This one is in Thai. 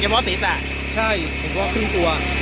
เฉพาะสีสาใช่เฉพาะครึ่งตัว